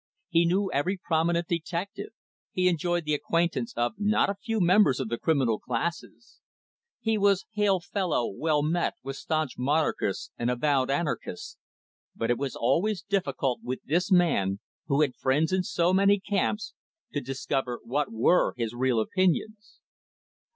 He knew every prominent detective, he enjoyed the acquaintance of not a few members of the criminal classes. He was hail fellow well met with staunch monarchists and avowed anarchists. But it was always difficult with this man, who had friends in so many camps, to discover what were his real opinions.